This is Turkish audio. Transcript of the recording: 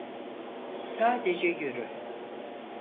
Sadece yürü.